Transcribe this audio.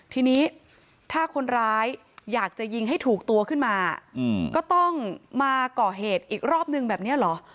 ทีนี้ถ้าคนร้ายอยากจะยิงให้ถูกตัวขึ้นมาก็ต้องมาก่อเหตุอีกรอบนึงแบบนี้เหรอ